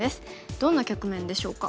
どんな局面でしょうか。